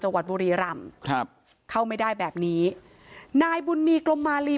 จังหวัดบุรีรัมป์เข้าไม่ได้แบบนี้นายบุญมีกลมมาลี